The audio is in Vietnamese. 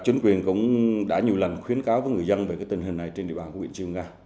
chính quyền cũng đã nhiều lần khuyến cáo với người dân về tình hình này trên địa bàn huyện cư mờ ga